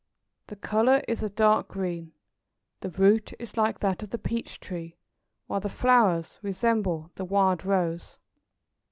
The colour is a dark green. The root is like that of the peach tree, while the flowers resemble the wild rose.